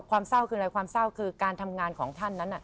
เศร้าคืออะไรความเศร้าคือการทำงานของท่านนั้น